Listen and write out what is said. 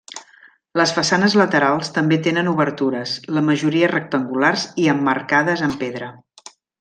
Les façanes laterals també tenen obertures, la majoria rectangulars i emmarcades en pedra.